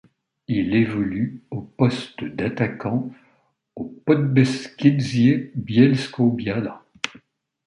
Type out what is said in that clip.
Il évolue au poste d'attaquant au Podbeskidzie Bielsko-Biała.